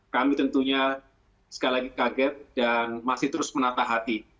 kami tentunya sekali lagi kaget dan masih terus menatah hati